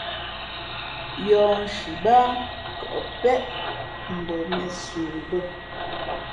Yɔ̌hnshi báá kαʼ péʼ mbα mēnsə bᾱ.